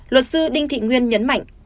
luật sư đinh thị nguyên nhấn mạnh